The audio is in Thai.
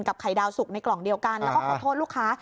ไข่ดาวสุกในกล่องเดียวกันแล้วก็ขอโทษลูกค้า